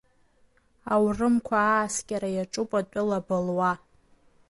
Аурымқәа ааскьара иаҿуп, атәыла былуа.